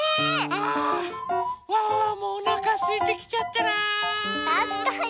あワンワンもおなかすいてきちゃったな。たしかに。